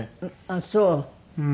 あっそう。